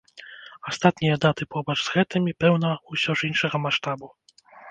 Астатнія даты побач з гэтымі, пэўна, усё ж іншага маштабу.